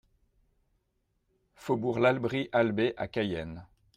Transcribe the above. Faubourg l'Abri All B à Cayenne